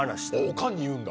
おかんに言うんだ？